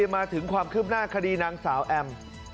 มาถึงความคืบหน้าคดีนางสาวแอม